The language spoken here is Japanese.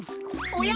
おや？